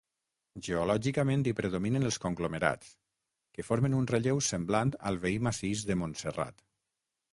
Geològicament hi predominen els conglomerats, que formen un relleu semblant al veí massís de Montserrat.